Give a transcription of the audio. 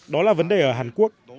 đó là vấn đề ở hàn quốc